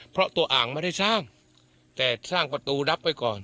เพราะตัวอ่างไม่ได้สร้างแต่สร้างประตูรับไว้ก่อน